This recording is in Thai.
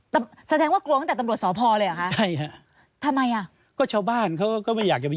แต่แสดงว่ากลัวตั้งแต่ตำรวจสพเลยเหรอคะใช่ฮะทำไมอ่ะก็ชาวบ้านเขาก็ไม่อยากจะไป